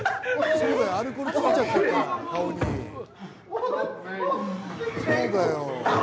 そうだよ。